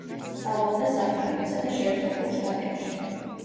სწავლობდა საფრანგეთსა და შეერთებულ შტატებში.